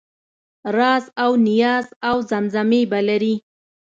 رازاونیازاوزمزمې به لرې